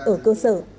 ở cơ sở